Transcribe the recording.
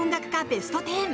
ベスト１０！